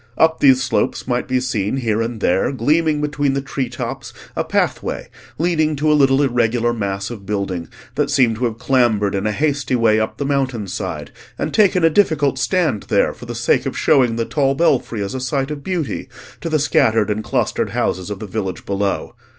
Up these slopes might be seen here and there, gleaming between the tree tops, a pathway leading to a little irregular mass of building that seemed to have clambered in a hasty way up the mountain side, and taken a difficult stand there for the sake of showing the tall belfry as a sight of beauty to the scattered and clustered houses of the village below.